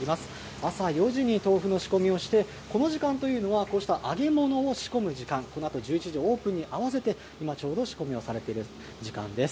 朝４時に豆腐の仕込みをして、この時間というのは、こうした揚げ物を仕込む時間、このあと１１時のオープンに合わせて、今、ちょうど仕込みをされている時間です。